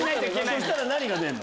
そしたら何が出るの？